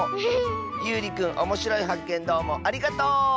ゆうりくんおもしろいはっけんどうもありがとう！